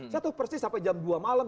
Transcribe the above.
satu persis sampai jam dua malam